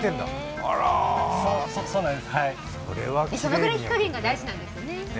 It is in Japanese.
それぐらい火加減が大事なんですね。